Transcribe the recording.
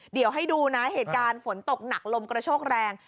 เดี๋ยวให้ดูนะเหตุการณ์ฝนตกหนักลมกระโชกแรง